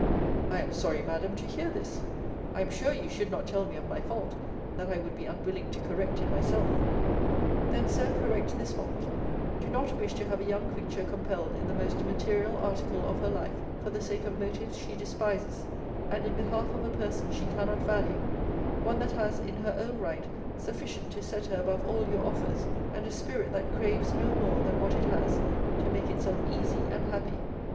I am sorry, Madam, to hear this. I am sure you should not tell me of my fault, that I would be unwilling to correct in myself. Then, Sir, correct this fault do not wish to have a young creature compelled in the most material article of her life, for the sake of motives she despises; and in behalf of a person she cannot value: one that has, in her own right, sufficient to set her above all your offers, and a spirit that craves no more than what it has, to make itself easy and happy.